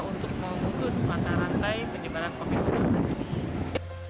untuk memutus mata rantai penyebaran provinsi nikai jakarta